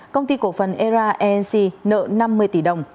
công ty cổ phần era enc nợ năm mươi tỷ đồng